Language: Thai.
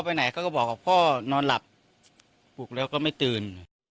ไปไหนเขาก็บอกว่าพ่อนอนหลับปลุกแล้วก็ไม่ตื่น